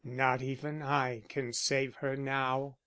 Not even I can save her now."